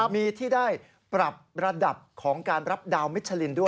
มีที่ได้ปรับระดับของการรับดาวมิชลินด้วย